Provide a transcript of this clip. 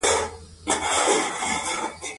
تاریخ هېڅوک نه هېروي.